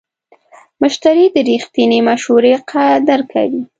مشتری د رښتینې مشورې قدر کوي.